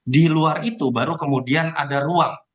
di luar itu baru kemudian ada ruang